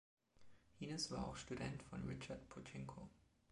Hines war auch Student von Richard Pochinko.